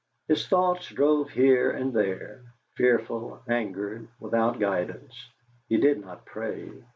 His thoughts drove here and there, fearful, angered, without guidance; he did not pray.